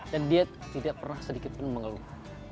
dan dia tidak pernah sedikit pun mengeluh